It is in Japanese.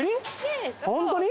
本当に？